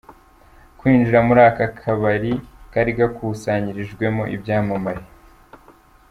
Kwinjira muri aka kabari kari gakusanyirijwemo ibyamamare.